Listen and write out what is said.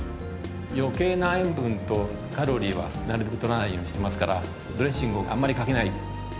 余計な塩分とカロリーはなるべく取らないようにしてますからドレッシングをあんまりかけない。